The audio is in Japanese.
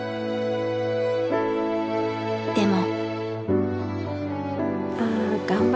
でも。